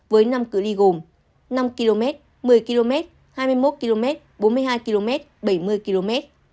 với năm c ly gồm năm km một mươi km hai mươi một km bốn mươi hai km bảy mươi km